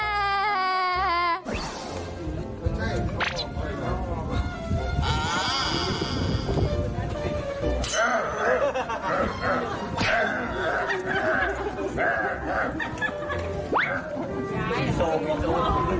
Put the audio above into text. ให้ทุกคนไม่นี่คุณผู้ชมค่ะ